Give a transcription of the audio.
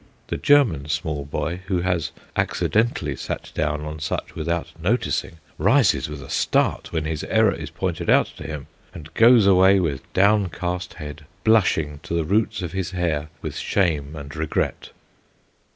The German small boy, who has accidentally sat down on such without noticing, rises with a start when his error is pointed out to him, and goes away with down cast head, brushing to the roots of his hair with shame and regret.